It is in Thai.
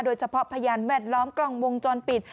โดยเฉพาะพยานแวดล้อมกล่องมุมจนปิด